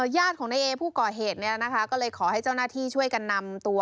ญาติของนายเอผู้ก่อเหตุเนี่ยนะคะก็เลยขอให้เจ้าหน้าที่ช่วยกันนำตัว